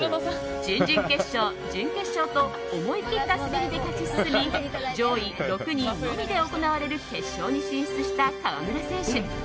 準々決勝、準決勝と思い切った滑りで勝ち進み上位６人のみで行われる決勝に進出した川村選手。